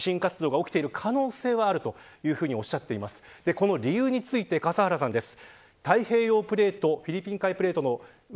この理由について笠原さんです。